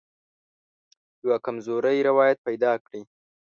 یوه کمزوری روایت پیدا کړي.